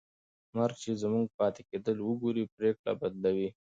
مرګ چې زموږ پاتې کېدل وګوري، پرېکړه بدلوي.